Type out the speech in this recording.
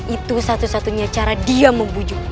itu satu satunya cara dia membujuk